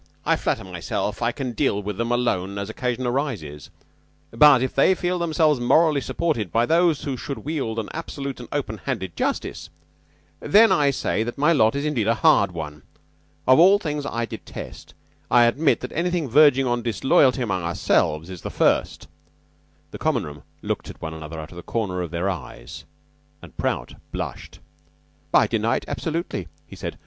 I flatter myself I can deal with them alone as occasion arises. But if they feel themselves morally supported by those who should wield an absolute and open handed justice, then I say that my lot is indeed a hard one. Of all things I detest, I admit that anything verging on disloyalty among ourselves is the first." The Common room looked at one another out of the corners of their eyes, and Prout blushed. "I deny it absolutely," he said.